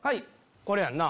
これやんな。